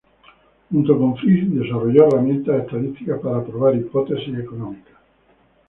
Junto con Frisch desarrolló herramientas estadísticas para probar hipótesis económicas.